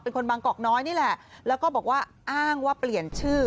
คนบางกอกน้อยนี่แหละแล้วก็บอกว่าอ้างว่าเปลี่ยนชื่อ